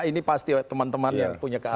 ini pasti teman teman yang punya keamanan